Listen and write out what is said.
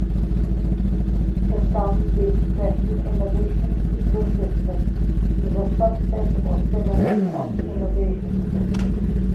For some, the expression 'innovation ecosystem' is a subset or synonym of 'innovation system'.